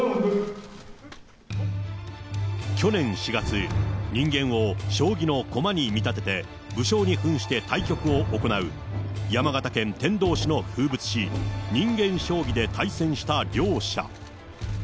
去年４月、人間を将棋の駒に見立てて、武将にふんして対局を行う山形県天童市の風物詩、人間将棋で対戦した両者。